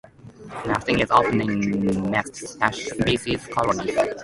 Nesting is often in mixed-species colonies.